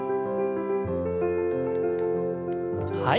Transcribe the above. はい。